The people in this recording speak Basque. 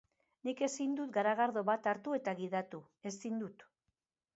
Nik ezin dut garagardo bat hartu eta gidatu, ezin dut.